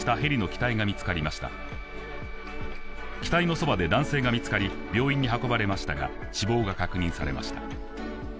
機体のそばで男性が見つかり病院に運ばれましたが死亡が確認されました。